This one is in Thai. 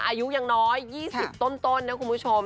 อายุยังน้อย๒๐ต้นนะคุณผู้ชม